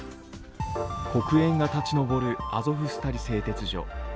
黒煙が立ち上るアゾフスタリ製鉄所。